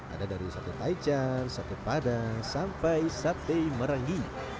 ada dari sate taichan sate padang sampai sate meranggi